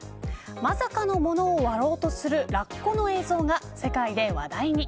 まさかのものを割ろうとするラッコの映像が世界で話題に。